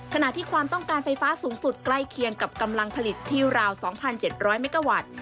ขณะที่ความต้องการไฟฟ้าสูงสุดใกล้เคียงกับกำลังผลิตที่ราว๒๗๐๐เมกาวัตต์